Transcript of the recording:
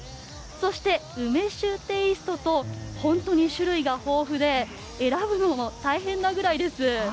そして、梅酒テイストと本当に種類が豊富で選ぶのも大変なぐらいです。